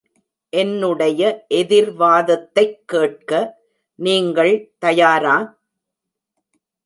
என்னுடைய எதிர்வாதத்தைக் கேட்க நீங்கள் தயாரா?